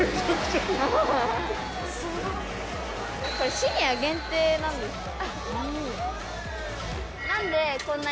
シニア限定なんですかね？